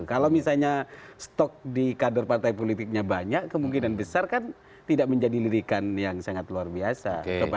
kalau misalnya stok di kader partai politiknya banyak kemungkinan besar kan tidak menjadi lirikan yang sangat luar biasa